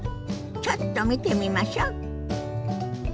ちょっと見てみましょ。